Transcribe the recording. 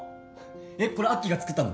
えっこれアッキーが作ったの？